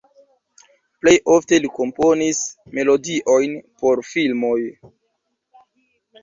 Plej ofte li komponis melodiojn por filmoj.